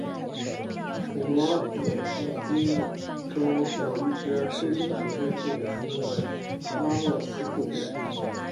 美国缅因洲有一支黑金属乐队名为拉洛斯瀑布。